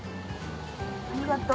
ありがとう。